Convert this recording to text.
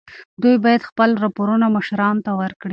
دوی باید خپل راپورونه مشرانو ته ورکړي.